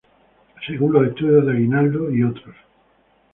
Según los estudios de Aguinaldo "et al.